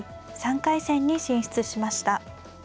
３回戦に進出しました。